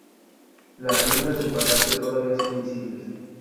Las ruinas del palacio todavía son visibles.